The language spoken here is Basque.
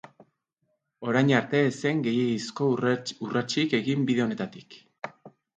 Orain arte ez zen gehiegizko urratsik egin bide honetatik.